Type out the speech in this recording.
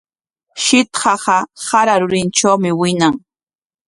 Shitqaqa sara rurintrawmi wiñan.